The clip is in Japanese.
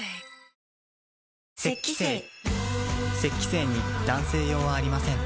精に男性用はありません